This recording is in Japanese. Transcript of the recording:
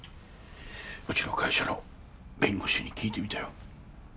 うちの会社の弁護士に聞いてみたよ